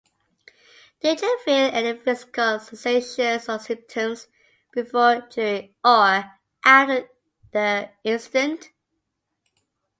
Did you feel any physical sensations or symptoms before, during, or after the incident?